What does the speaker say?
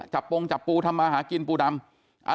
ปงจับปูทำมาหากินปูดำ